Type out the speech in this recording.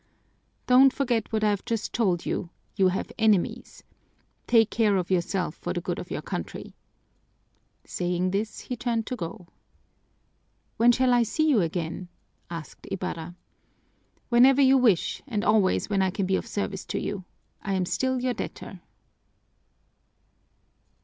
Don't forget what I've just told you you have enemies. Take care of yourself for the good of our country." Saying this, he turned to go. "When shall I see you again?" asked Ibarra. "Whenever you wish and always when I can be of service to you. I am still your debtor."